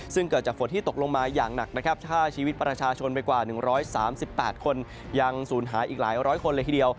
ซึ่งเกิดจากฝนที่ตกลงมาอย่างหนักนะครับถ้าชีวิตประชาชนไปกว่า๑๓๘คนยังสูญหายอีกหลายร้อยคนเลยทีเดียว